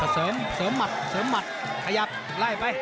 เสริมเสริมหมัดเสริมหมัดขยับไล่ไป